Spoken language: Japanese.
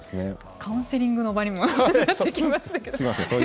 カウンセリングの場になってきましたけど。